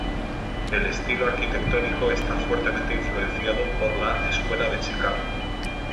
El estilo arquitectónico está fuertemente influenciado por la Escuela de Chicago.